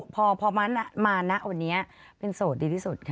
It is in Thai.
พอมันมาณวันนี้เป็นโสดดีที่สุดค่ะ